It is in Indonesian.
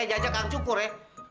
dia ajak ang cukur ya